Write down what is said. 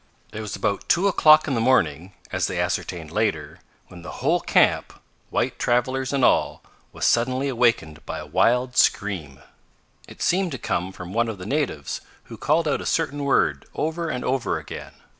It was about two o'clock in the morning, as they ascertained later, when the whole camp white travelers and all was suddenly awakened by a wild scream. It seemed to come from one of the natives, who called out a certain word ever and over again.